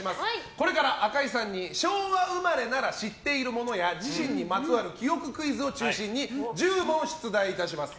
これから赤井さんに昭和生まれなら知っているものや自身にまつわる記憶クイズを中心に１０問出題します。